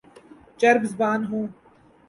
چرب زبان ہوں